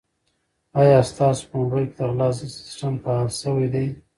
آیا ستاسو په موبایل کې د غلا ضد سیسټم فعال شوی دی؟